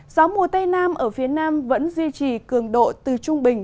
gió mùa tây nam ở phía nam vẫn duy trì cường độ từ trung bình